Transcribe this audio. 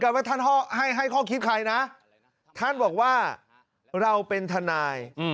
ว่าท่านให้ข้อคิดใครนะท่านบอกว่าเราเป็นทนาย